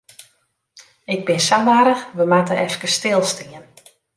Ik bin sa warch, wy moatte efkes stilstean.